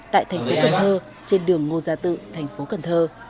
tại thành phố cần thơ trên đường ngô gia tự thành phố cần thơ